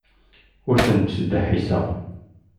Ur ten-ttdeḥḥiseɣ.